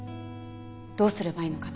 どうすればいいのかな？